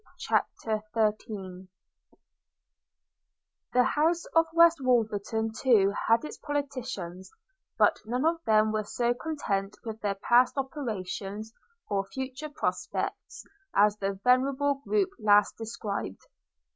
CHAPTER XIII THE house of West Wolverton too had its politicians; but none of them were so content with their past operations, or future prospects, as the venerable group last described.